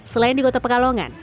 selain di kota pekalongan